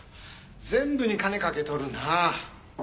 全部に金かけとるなあ。